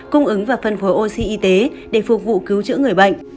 cung ứng và phân phối oxy y tế để phục vụ cứu chữa người bệnh